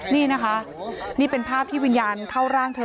นี่นะคะนี่เป็นภาพที่วิญญาณเข้าร่างเธอ